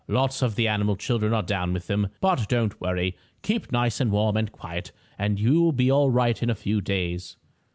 Lots of the animal children are down with them. But don't worry. Keep nice and warm and quiet, and you'll be all right in a few days."